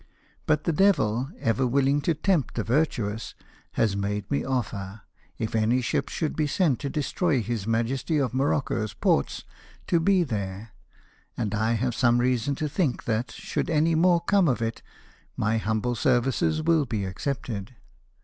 But the devil, ever willing to tempt the virtuous, has made me offer, if any ships should be sent to destroy his majesty of Morocco's ports, to be there ; and I have some reason to think that, should any more come of it, my humble services will be accepted.